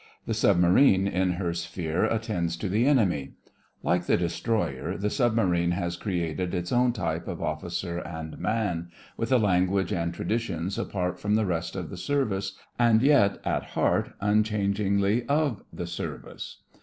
The submarine in her sphere attends to the enemy. Like the destroyer, the sub marine has created its own type of oflB cer and man — with a language and tra ditions apart from the rest of the Serv ice, and yet at heart unchangingly of the Service.